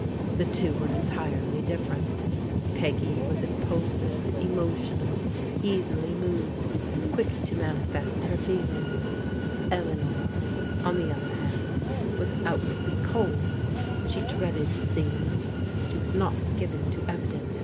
The two were entirely different. Peggy was impulsive, emotional, easily moved, quick to manifest her feelings. Eleanor, on the other hand, was outwardly cold. She dreaded scenes. She was not giNtu \.o wNAs^vcft.V'Kt I^j^^jw^.